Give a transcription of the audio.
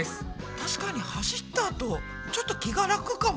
たしかに走ったあとちょっと気が楽かも。